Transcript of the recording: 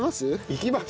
行きます。